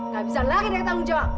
gak bisa lari dari tanggung jawab